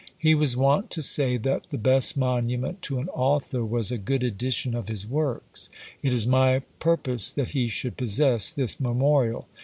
He was wont to say that the best monument to an author was a good edition of his works: it is my purpose that he should possess this memorial.